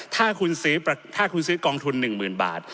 ถ้าคุณซื้อกองทุน๑๐๐๐๐บาท